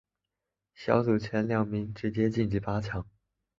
小组前两名直接晋级八强。